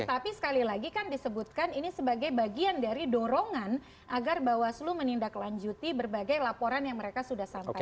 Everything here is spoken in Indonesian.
tapi sekali lagi kan disebutkan ini sebagai bagian dari dorongan agar bawaslu menindaklanjuti berbagai laporan yang mereka sudah sampaikan